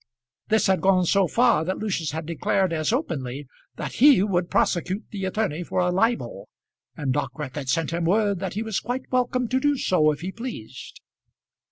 This had gone so far that Lucius had declared as openly that he would prosecute the attorney for a libel, and Dockwrath had sent him word that he was quite welcome to do so if he pleased.